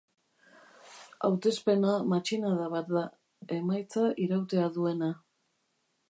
Hautespena matxinada bat da, emaitza irautea duena.